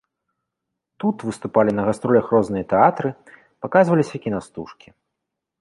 Тут выступалі на гастролях розныя тэатры, паказваліся кінастужкі.